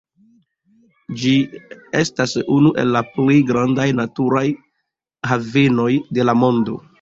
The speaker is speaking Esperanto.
Ĝi estas unu el la plej grandaj naturaj havenoj de la mondo.